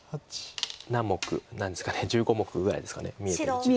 何ですか１５目ぐらいですか見えてる地は。